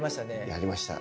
やりました。